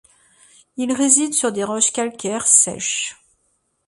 Il réside sur des roches calcaires sèches.